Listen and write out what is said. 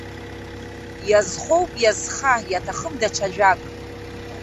Иазхоуп, иазха, иаҭахым даҽа ажәак!